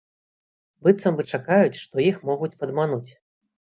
Быццам бы чакаюць, што іх могуць падмануць.